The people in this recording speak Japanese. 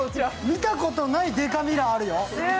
見たことないデカミラーあるよ。